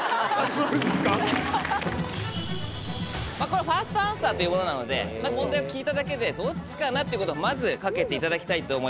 まぁこれはファーストアンサーというものなのでまず問題を聞いただけでどっちかなっていうことをまず賭けていただきたいと思います。